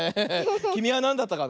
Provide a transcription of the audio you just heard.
きみはなんだったかな？